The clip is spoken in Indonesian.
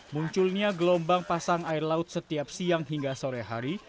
munculnya gelombang pasang air laut setiap siang hingga sore hari